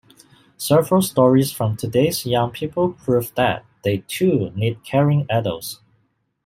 Several stories from today's young people prove that they, too, need caring adults.